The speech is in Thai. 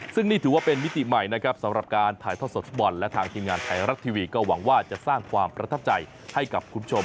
ซึ่งนี่ถือว่าเป็นมิติใหม่นะครับสำหรับการถ่ายทอดสดฟุตบอลและทางทีมงานไทยรัฐทีวีก็หวังว่าจะสร้างความประทับใจให้กับคุณผู้ชม